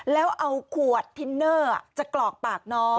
แล้วเอาขวดทินเนอร์จะกรอกปากน้อง